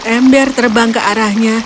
ember terbang ke arahnya